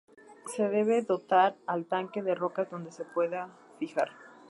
Se debe dotar al tanque de rocas dónde se pueda fijar.